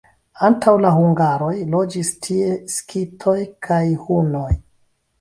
Antaŭ la hungaroj loĝis tie skitoj kaj hunoj.